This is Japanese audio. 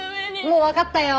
もうわかったよー！